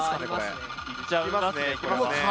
いっちゃいますね